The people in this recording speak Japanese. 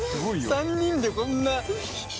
３人でこんな。